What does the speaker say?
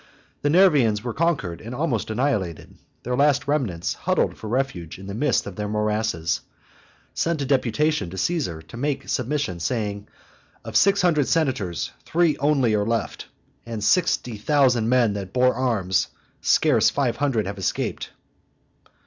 The Nervians were conquered and almost annihilated. Their last remnants, huddled for refuge in the midst of their morasses, sent a deputation to Caesar, to make submission, saying, "Of six hundred senators three only are left, and of sixty thousand men that bore arms scarce five hundred have escaped."